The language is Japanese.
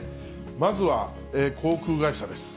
まずは、航空会社です。